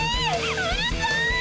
うるさい！